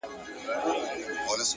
احترام اړیکې پیاوړې کوي!.